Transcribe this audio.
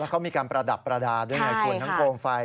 เขามีการประดับประดาษด้วยหน่อยควรทั้งโครงไฟ